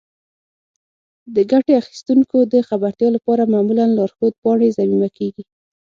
د ګټې اخیستونکو د خبرتیا لپاره معمولا لارښود پاڼې ضمیمه کیږي.